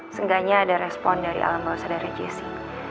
seenggaknya ada respon dari alam bawah sadarnya jesse